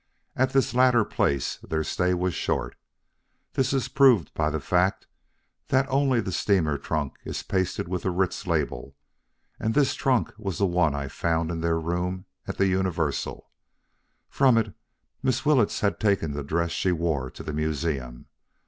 At this latter place their stay was short. This is proved by the fact that only the steamer trunk is pasted with the Ritz label. And this trunk was the one I found in their room at the Universal. From it Miss Willetts had taken the dress she wore to the museum.